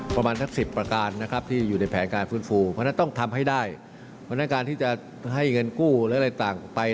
สำหรับประตูระดาษที่จะให้เงินกู้อะไรต่างปรี่